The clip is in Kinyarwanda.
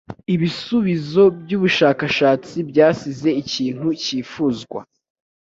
Ibisubizo byubushakashatsi byasize ikintu cyifuzwa.